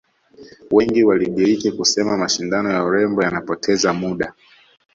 Wengi walidiriki kusema mashindano ya urembo yanapoteza muda